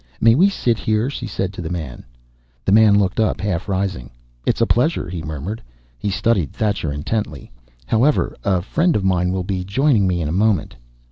"May we sit here?" she said to the man. The man looked up, half rising. "It's a pleasure," he murmured. He studied Thacher intently. "However, a friend of mine will be joining me in a moment."